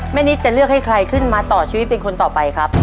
นิดจะเลือกให้ใครขึ้นมาต่อชีวิตเป็นคนต่อไปครับ